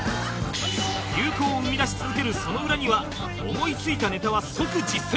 流行を生み出し続けるその裏には思い付いたネタは即実践！